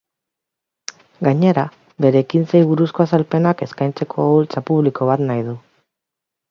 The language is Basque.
Gainera, bere ekintzei buruzko azalpenak eskaintzeko oholtza publiko bat nahi du.